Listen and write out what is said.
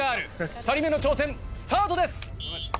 ２人目の挑戦スタートです。